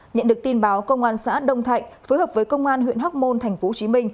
nhận được tin báo công an xã đông thạnh phối hợp với công an huyện hóc môn tp hcm